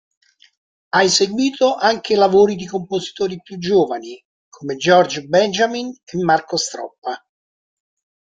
Ha eseguito anche lavori di compositori più giovani come George Benjamin e Marco Stroppa.